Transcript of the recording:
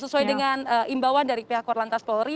sesuai dengan imbauan dari pihak korlantas polri